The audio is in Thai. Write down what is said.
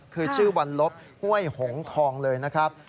คือชื่อวันลบห้วยหงทองเลยนะครับ